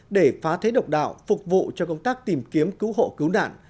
để phá thế độc đạo phục vụ cho công tác tìm kiếm cứu hộ cứu nạn